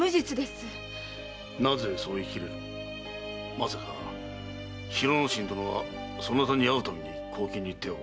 まさか広之進殿はそなたに会うために公金に手を？